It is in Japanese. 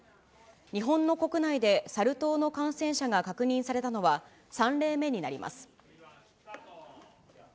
日本の国内でサル痘の感染者が確認されたのは３例目になります。